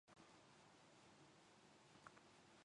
千葉県横芝光町